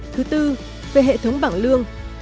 thứ tư về hệ thống bảng lương